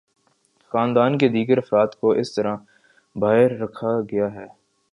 خاندان کے دیگر افراد کو اس طرح باہر رکھا گیا ہے۔